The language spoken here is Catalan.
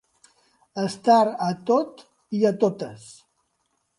Estar a tot i a totes.